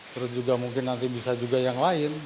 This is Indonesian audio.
terus juga mungkin nanti bisa juga yang lain